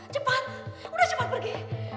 cepat udah cepat pergi